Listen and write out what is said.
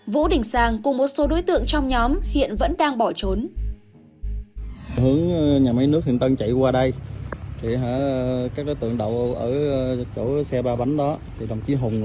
vũ đỉnh sang cùng một số đối tượng trong nhóm hiện vẫn đang bỏ trốn